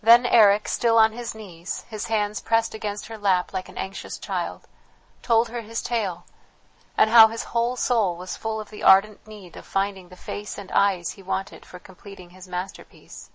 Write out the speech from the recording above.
Then Eric, still on his knees, his hands pressed against her lap like an anxious child, told her his tale, and how his whole soul was full of the ardent need of finding the face and eyes he wanted for completing his masterpiece.